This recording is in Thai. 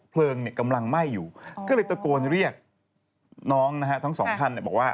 เพลิงเนี่ยกำลังไหม้อยู่ก็เลยตะโกนเรียกน้องนะฮะทั้งสองท่านเนี่ยบอกว่า